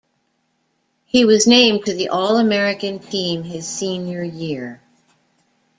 He was named to the All-American team his senior year.